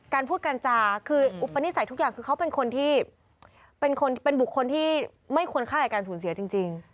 การพูดกันจาคืออุปนิสัยทุกอย่างเขาเป็นบุคคลที่ไม่ควรฆ่าการสูญเสียจริง